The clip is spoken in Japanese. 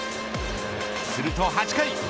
すると８回。